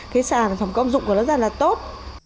cái sản phẩm công dụng của nó rất là tốt